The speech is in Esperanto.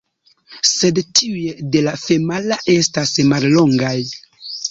Sed tiuj de la femala estas mallongaj.